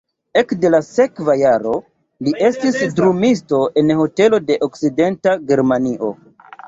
Ekde la sekva jaro li estis drumisto en hotelo de Okcidenta Germanio.